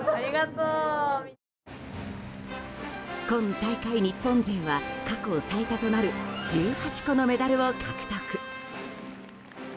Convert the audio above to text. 今大会日本勢は過去最多となる１８個のメダルを獲得。